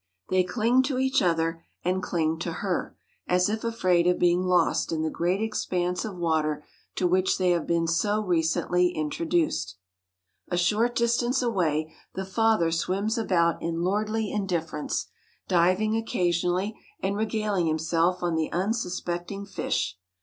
They cling to each other and cling to her, as if afraid of being lost in the great expanse of water to which they have been so recently introduced. A short distance away the father swims about in lordly indifference, diving occasionally and regaling himself on the unsuspecting fish.